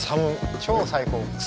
超最高。